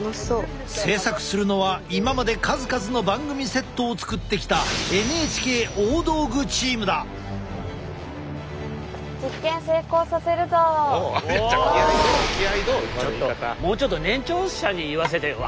制作するのは今まで数々の番組セットを作ってきたもうちょっと年長者に言わせてよ。